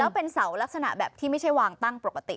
เป็นเสาลักษณะแบบที่ไม่ใช่วางตั้งปกติ